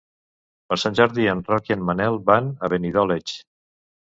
Per Sant Jordi en Roc i en Manel van a Benidoleig.